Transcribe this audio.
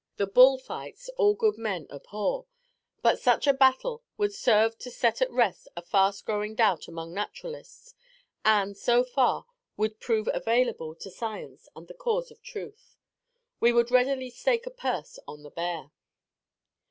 The bull fights all good men abhor; but, such a battle would serve to set at rest a fast growing doubt among naturalists; and, so far, would prove available to science and the cause of truth. We would readily stake a purse on the bear.